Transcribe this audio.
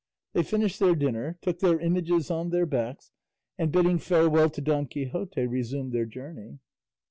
They finished their dinner, took their images on their backs, and bidding farewell to Don Quixote resumed their journey.